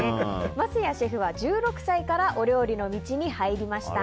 桝谷シェフは１６歳からお料理の道に入りました。